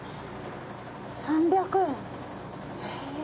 ３００円え。